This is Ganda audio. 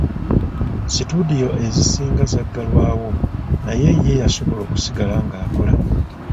Situdiyo ezisinga zaggalawo naye ye yasobola okusigala ng'akola.